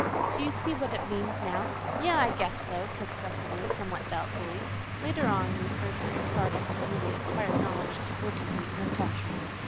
Do you see what it means now?" "Yes, I guess so," said Cecily somewhat doubtfully. Later on we heard her imparting her newly acquired knowledge to Felicity in the pantry.